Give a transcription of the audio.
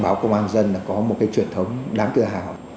báo công an nhân dân có một truyền thống đáng tự hào